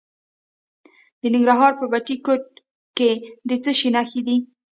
د ننګرهار په بټي کوټ کې د څه شي نښې دي؟